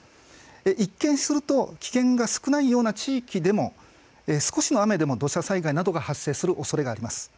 一見すると危険が少ないような地域でも少しの雨でも土砂災害などが発生するおそれがあります。